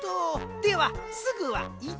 では「すぐ」は１。